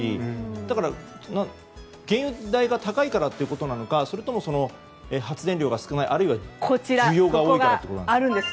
だから、原油代が高いからということなのかそれとも発電量が少ないあるいは需要が多いというところですか。